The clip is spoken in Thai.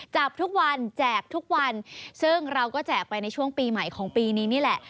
จับทุกวันแจกทุกวันซึ่งเราก็แจกไปในช่วงปีใหม่ของปีนี้นี่แหละ